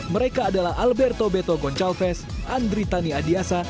mereka adalah alberto beto goncalves andritani adiasa